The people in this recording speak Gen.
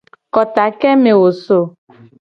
Kota ke me wo so ?